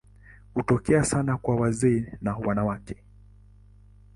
Hutokea sana kwa wazee na wanawake.